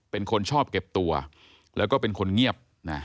เป็นคนชอบเก็บตัวแล้วก็เป็นคนเงียบ